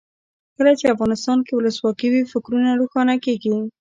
کله چې افغانستان کې ولسواکي وي فکرونه روښانه کیږي.